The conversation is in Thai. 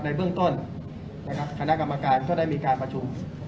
ในเบื้องต้นคณะกรรมการก็ได้มีการประจำ